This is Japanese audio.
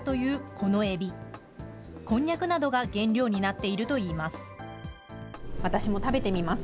こんにゃくなどが原料になっているといいます。